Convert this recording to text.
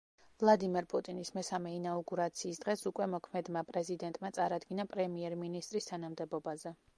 ვლადიმერ პუტინის მესამე ინაუგურაციის დღეს უკვე მოქმედმა პრეზიდენტმა წარადგინა პრემიერ-მინისტრის თანამდებობაზე.